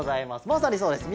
まさにそうです